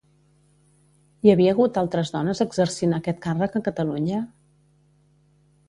Hi havia hagut altres dones exercint aquest càrrec a Catalunya?